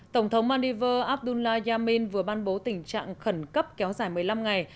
tổng thống maldiver abdullah yamin vừa ban bố tình trạng khẩn cấp kéo dài một mươi năm ngày